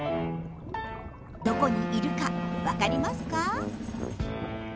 どこにいるか分かりますか？